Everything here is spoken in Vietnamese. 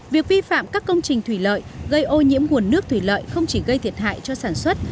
việc vi phạm các công trình thủy lợi gây ô nhiễm nguồn nước thủy lợi không chỉ gây thiệt hại cho sản xuất